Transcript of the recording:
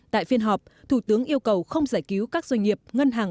tại phiên họp thủ tướng yêu cầu không giải cứu các doanh nghiệp ngân hàng